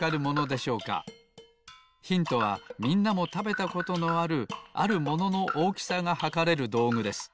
ヒントはみんなもたべたことのあるあるもののおおきさがはかれるどうぐです。